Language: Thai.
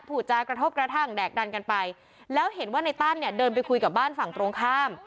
ผู้จากระทบกระทั่งแดกดันกันไปแล้วเห็นว่าในตั้นเนี่ยเดินไปคุยกับบ้านฝั่งตรงข้าม